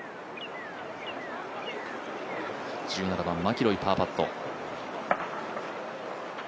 １７番、マキロイ、パーパット。